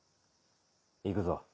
行くぞ。